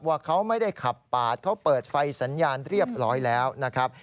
ว่าเขาไม่ได้ขับปาดเขาเปิดไฟสัญญาณเรียบร้อยแล้วนะครับ